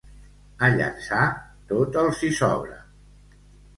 A Llançà, tot els hi sobra.